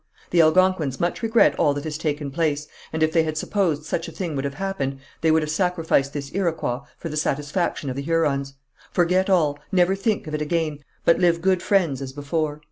The Algonquins much regret all that has taken place, and if they had supposed such a thing would have happened, they would have sacrificed this Iroquois for the satisfaction of the Hurons. Forget all, never think of it again, but live good friends as before.